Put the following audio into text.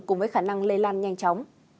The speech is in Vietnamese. cùng với khả năng lây lan nhanh chóng